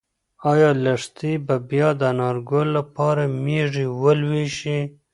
ایا لښتې به بیا د انارګل لپاره مېږې ولوشي؟